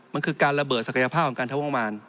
มันคือการระเบิดศักยภาพของการทำงบประมาณ